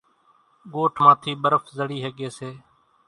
ڳوٺ مان ٿِي ٻرڦ زڙِي ۿڳيَ سي۔